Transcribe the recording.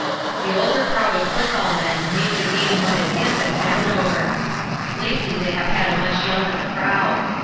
The older crowd of football men made the game what it is at Andover. Lately they have had a much younger crowd.